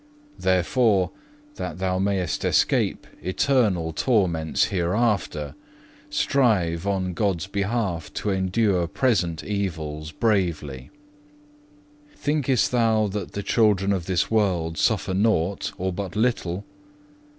Therefore, that thou mayest escape eternal torments hereafter, strive on God's behalf to endure present evils bravely. Thinkest thou that the children of this world suffer nought, or but little?